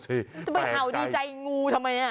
จะไปเห่าดีใจงูทำไม